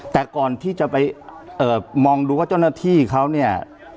แต่ก่อนที่จะไปมองดูว่าเจ้าหน้าที่เขาเนี่ย